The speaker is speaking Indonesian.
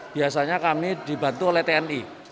biasanya kami dibantu oleh tni